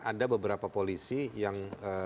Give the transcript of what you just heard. ada beberapa polisi yang